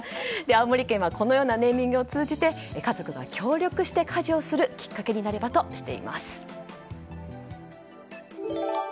青森県はこのようなネーミングを通じて家族が協力して家事をするきっかけになればとしています。